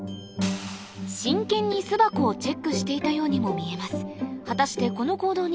真剣に巣箱をチェックしていたようにも見えます